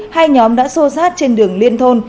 hai nhóm đã xô xát trên đường liên thôn